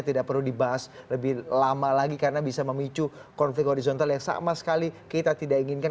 tidak perlu dibahas lebih lama lagi karena bisa memicu konflik horizontal yang sama sekali kita tidak inginkan